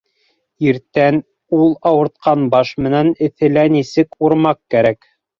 Иртән ул ауыртҡан баш менән эҫелә нисек урмаҡ кәрәк.